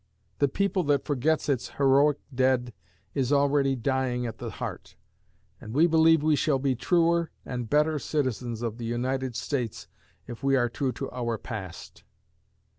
The people that forgets its heroic dead is already dying at the heart, and we believe we shall be truer and better citizens of the United States if we are true to our past.